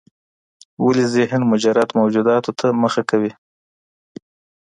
ولي ذهن مجرد موجوداتو ته مخه کوي؟